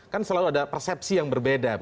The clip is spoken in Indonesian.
kan selalu ada persepsi yang berbeda